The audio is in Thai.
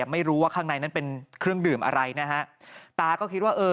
ไม่รู้ว่าข้างในนั้นเป็นเครื่องดื่มอะไรนะฮะตาก็คิดว่าเออ